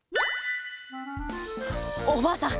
おばあさん